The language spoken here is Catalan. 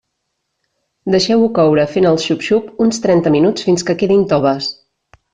Deixeu-ho coure, fent el xup-xup, uns trenta minuts fins que quedin toves.